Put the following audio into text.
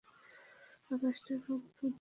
আকাশটা রংধনু দিয়ে সুসজ্জিত করো!